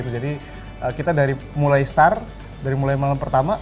jadi kita mulai dari mulai malam pertama